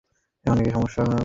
এখন সমস্যা কি?